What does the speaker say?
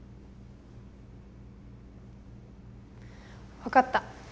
わかった。